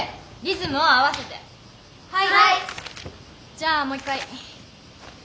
じゃあもう一回。